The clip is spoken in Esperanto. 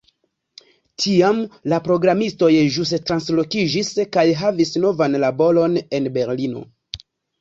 Tiam la programistoj ĵus translokiĝis kaj havis novan laboron en Berlino.